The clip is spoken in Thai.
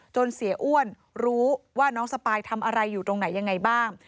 เสียอ้วนรู้ว่าน้องสปายทำอะไรอยู่ตรงไหนยังไงบ้าง